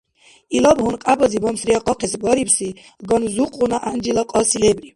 Илаб гьункьябази бамсриихъахъес барибси ганзухъгъуна гӀянжила кьаси лебри.